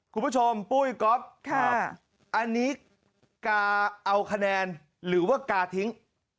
ปุ้ยก๊อฟอันนี้กาเอาคะแนนหรือว่ากาทิ้ง